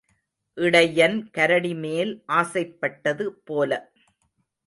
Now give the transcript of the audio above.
இடையன் கரடிமேல் ஆசைப்பட்டது போல.